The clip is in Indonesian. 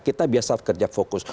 kita biasa kerja fokus